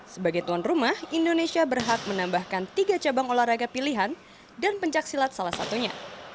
sebagai tuan rumah indonesia berhak menambahkan tiga cabang olahraga pilihan dan pencaksilat salah satunya